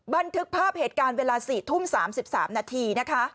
บันทึกภาพเหตุการณ์เวลา๔ทุ่ม๓๓นาทีนะคะ